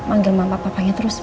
aku susah banget lagi